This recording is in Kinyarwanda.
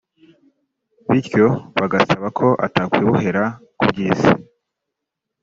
bityo bagasaba ko atakwibohera ku by’isi